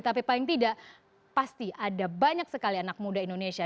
tapi paling tidak pasti ada banyak sekali anak muda indonesia